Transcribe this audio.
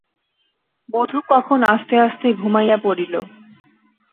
বধূ কখন আস্তে আস্তে ঘুমাইয়া পড়িল।